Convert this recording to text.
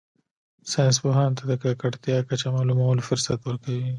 ساینس پوهانو ته د ککړتیا کچه معلومولو فرصت ورکوي